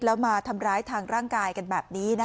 แล้วมาทำร้ายทางร่างกายกันแบบนี้